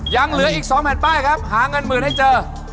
ยังเหลืออีก๒แผ่นป้ายครับหาเงินหมื่นให้เจอ